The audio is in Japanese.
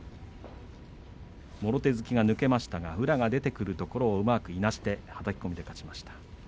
もろ手突きが抜けましたが宇良が出てくるところをいなしてはたき込みで勝ちました。